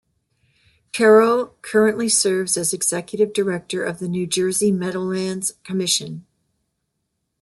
Karrow currently serves as Executive Director of the New Jersey Meadowlands Commission.